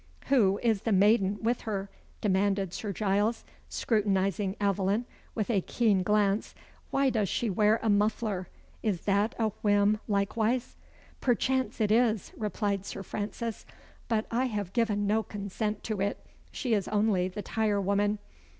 "Who is the maiden with her?" demanded Sir Giles, scrutinizing Aveline, with a keen glance. "Why does she wear a muffler? Is that a whim, likewise?" "Perchance it is," replied Sir Francis; "but I have given no consent to it. She is only the tire woman."